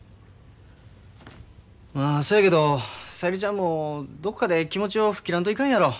まあそやけど小百合ちゃんもどこかで気持ちを吹っ切らんといかんやろ。